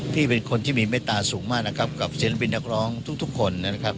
เป็นคนที่มีเมตตาสูงมากนะครับกับศิลปินนักร้องทุกคนนะครับ